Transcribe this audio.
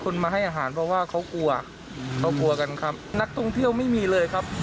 นักทุ่งเที่ยวไม่มีเลยครับ